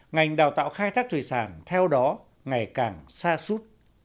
ngành đào tạo khai thác thủy sản theo đó ngày càng xa suốt